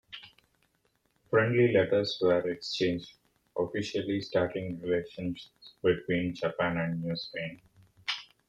Friendly letters were exchanged, officially starting relations between Japan and New Spain.